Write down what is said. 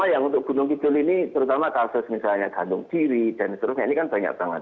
jadi gantung pijul ini terutama kasus misalnya gantung kiri dan seterusnya ini kan banyak banget